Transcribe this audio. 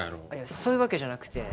そういうわけじゃなくて。